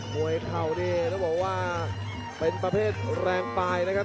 มวยเข้าเนี่ยรู้เปล่าว่าเป็นประเภทแรงไปนะครับ